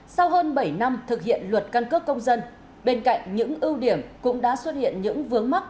sau hơn bảy năm thực hiện luật căn cước công dân bên cạnh những ưu điểm cũng đã xuất hiện những vướng mắt